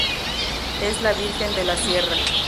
Es la Virgen de la Sierra.